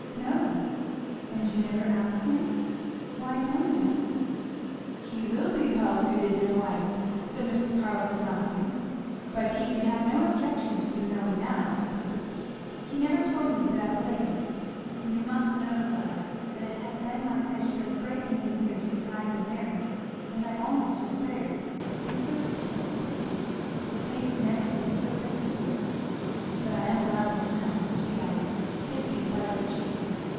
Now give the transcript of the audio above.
"No." "And you never asked him?" "Why no, ma'am!" "He will be well suited in a wife," said Mrs. Carleton laughing. "But he can have no objection to your knowing now, I suppose. He never told me but at the latest. You must know, Fleda, that it has been my wish for a great many years that Guy would marry and I almost despaired, he was so difficult to please his taste in everything is so fastidious; but I am glad of it now," she added, kissing Fleda's cheek.